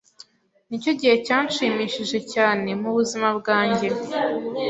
Nicyo gihe cyanshimishije cyane mubuzima bwanjye.